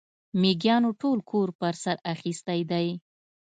مېږيانو ټول کور پر سر اخيستی دی.